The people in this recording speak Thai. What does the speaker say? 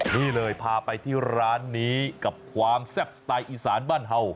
นี่เลยพาไปที่ร้านนี้กับความแซ่บสไตล์อีสานบ้านเห่า